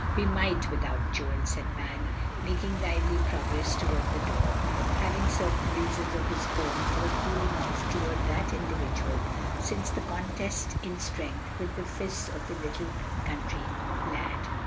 "We might without Joel," said Van, making lively progress toward the door, having certain reasons of his own for a cooling off toward that individual since the contest in strength with the fists of the little country lad.